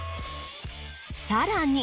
更に。